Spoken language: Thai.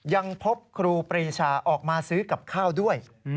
ยังพบครูปรีชาออกมาซื้อกับข้าวด้วย